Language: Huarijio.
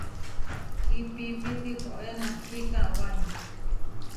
Kipiipi tihoé nahki kawái.